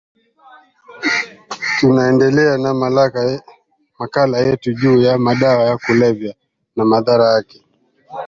tunaendela na makala yetu juu ya madawa ya kulevya na madhara yake